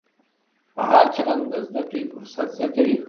فعال چلند د زده کړې فرصت زیاتوي.